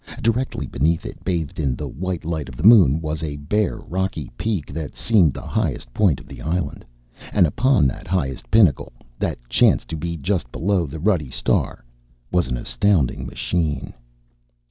Directly beneath it, bathed in the white light of the moon, was a bare, rocky peak that seemed the highest point of the island. And upon that highest pinnacle, that chanced to be just below the ruddy star, was an astounding machine.